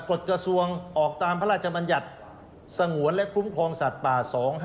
กฎกระทรวงออกตามพระราชบัญญัติสงวนและคุ้มครองสัตว์ป่า๒๕๖